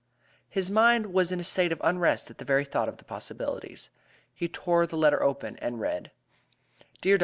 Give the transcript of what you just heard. His mind was in a state of unrest at the very thought of the possibilities. He tore the letter open, and read: "DEAR DR.